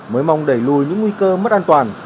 mới mong đẩy lùi những nguy cơ mất an toàn